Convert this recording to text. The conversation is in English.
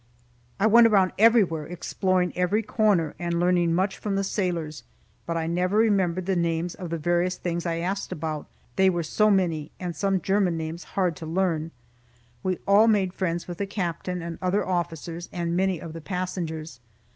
I went around everywhere, exploring every corner, and learning much from the sailors; but I never remembered the names of the various things I asked about, they were so many, and some German names hard to learn. We all made friends with the captain and other officers, and many of the passengers.